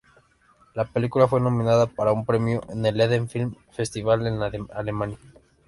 La película fue nominada para un premio en el Emden Film Festival, en Alemania.